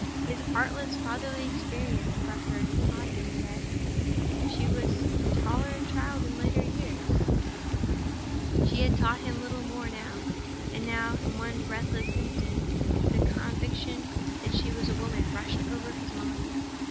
His artless, fatherly experience of her had taught him that she was a taller child in later years—and had taught him little more. And now, in one breathless instant, the conviction that she was a woman rushed over his mind.